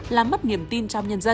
làm mất niềm tin trong nhân dân